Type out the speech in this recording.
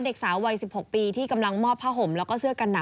เด็กสาววัย๑๖ปีที่กำลังมอบผ้าห่มแล้วก็เสื้อกันหนา